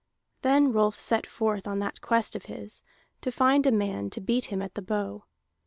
Then Rolf set forth on that quest of his, to find a man to beat him at the bow.